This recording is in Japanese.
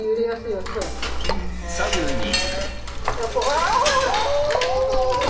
あほらほらほら！